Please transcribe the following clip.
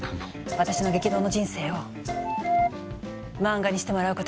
私の激動の人生を漫画にしてもらうことよ！